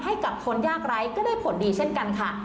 ให้กับคนยากไร้ก็ได้ผลดีเช่นกันค่ะ